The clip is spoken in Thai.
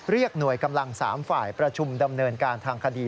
หน่วยกำลัง๓ฝ่ายประชุมดำเนินการทางคดี